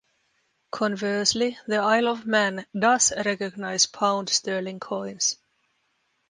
Conversely, the Isle of Man "does" recognise pound sterling coins.